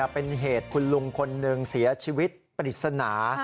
เป็นเหตุคุณลุงคนหนึ่งเสียชีวิตปริศนา